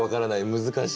難しいな。